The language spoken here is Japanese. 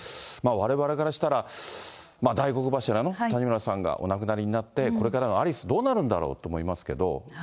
われわれからしたら、大黒柱の谷村さんがお亡くなりになって、これからのアリスどうなるんだろうと思いますけれども。